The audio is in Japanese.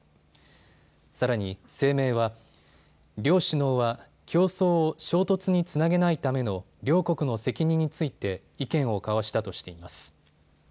さらに声明は、両首脳は競争を衝突につなげないための両国の責任について意見を交わしたとしています。